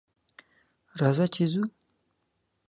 راځه ! چې ځو.